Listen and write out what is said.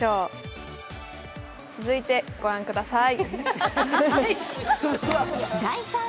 続いてご覧ください。